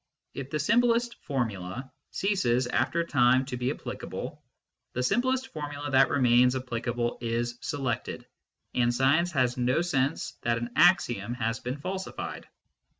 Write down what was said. If the simplest formula ceases, after a time, to be applicable, the simplest formula that remains applicable is selected, and science has no sense that an axiom has been falsified.